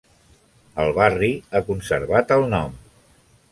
El barri ha conservat el nom.